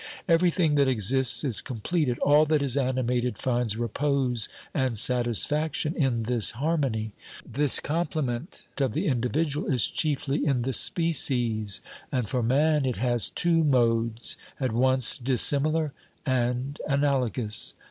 Everything that exists is completed, all that is animated finds repose and satisfaction, in this harmony. This complement of the individual is chiefly in the species, and for man it has two modes, at once dissimilar and analogous.